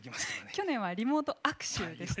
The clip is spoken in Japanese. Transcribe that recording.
去年はリモート握手でした。